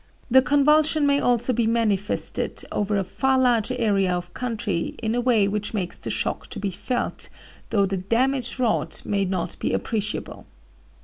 The convulsion may also be manifested over a far larger area of country in a way which makes the shock to be felt, though the damage wrought may not be appreciable.